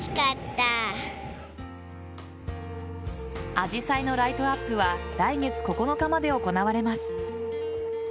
アジサイのライトアップは来月９日まで行われます。